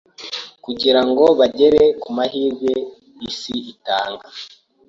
kugira ngo bagere ku mahirwe isi itanga.